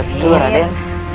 apa itu raden